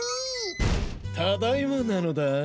ただいまなのだ。